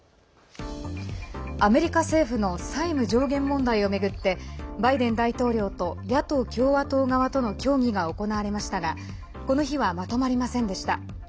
アメリカ政府の債務上限問題を巡ってバイデン大統領と野党・共和党側との協議が行われましたがこの日は、まとまりませんでした。